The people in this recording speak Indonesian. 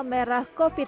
merah kofit sembilan belas